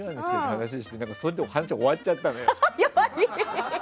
話をされてそれで話が終わっちゃったのよ。